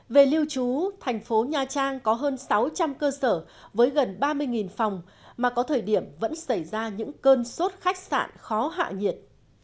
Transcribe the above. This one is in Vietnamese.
về lưu trú thành phố nha trang có hơn sáu trăm linh cơ sở với gần ba mươi phòng mà có thời điểm vẫn xảy ra những cơn sốt khách sạn khó hạ nhiệt